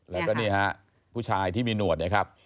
แล้วก็นี่ฮะผู้ชายที่มีหนวดนะครับ